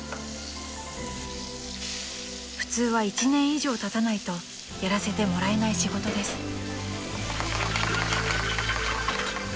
［普通は１年以上たたないとやらせてもらえない仕事です］